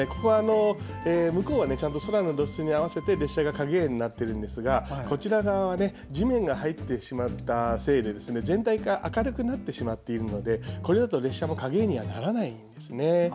左は空の露出に合わせて列車が影絵になっているんですがこちら側は地面が入ってしまったせいで全体が明るくなってしまっているのでこれだと列車も影絵にはならないんですね。